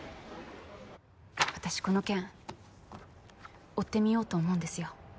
私この件追ってみようと思うんですよ。